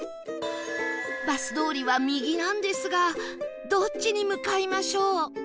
バス通りは右なんですがどっちに向かいましょう？